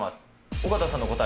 尾形さんの答え。